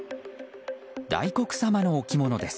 大黒様の置物です。